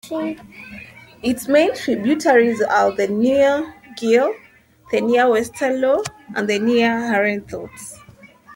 Its main tributaries are the near Geel, the near Westerlo, and the near Herenthout.